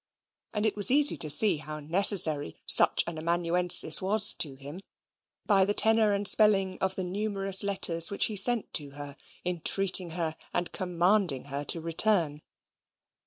And it was easy to see how necessary such an amanuensis was to him, by the tenor and spelling of the numerous letters which he sent to her, entreating her and commanding her to return.